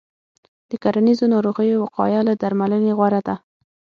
د کرنیزو ناروغیو وقایه له درملنې غوره ده.